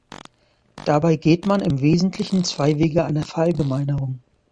Dabei geht man im Wesentlichen zwei Wege einer Verallgemeinerung.